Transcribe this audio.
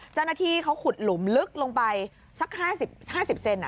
เจ้าหน้าที่เขาขุดหลุมลึกลงไปสักห้าสิบห้าสิบเซนอ่ะ